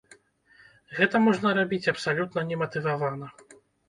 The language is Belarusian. Гэта можна рабіць абсалютна нематывавана.